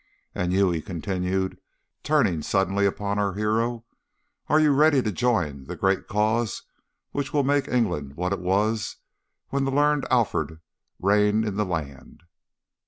And you,' he continued, turning suddenly upon our hero, 'are you ready to join the great cause which will make England what it was when the learned Alfred reigned in the land?